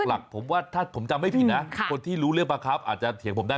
หลักผมว่าถ้าผมจำไม่ผิดนะคนที่รู้เรื่องบังคับอาจจะเถียงผมได้